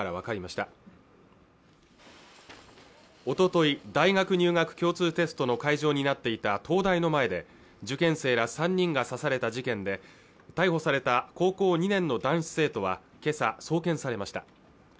おととい大学入学共通テストの会場になっていた東大の前で受験生ら３人が刺された事件で逮捕された高校２年の男子生徒は今朝送検されました